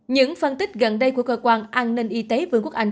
những phân tích gần đây của cơ quan an ninh y tế vương quốc anh